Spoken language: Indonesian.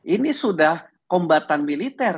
ini sudah kombatan militer